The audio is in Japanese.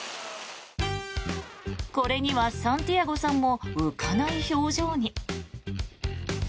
これにはサンティアゴさんも浮かない表情に。